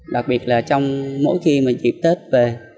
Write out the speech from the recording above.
đặc biệt là trong mỗi khi mà dịp tết về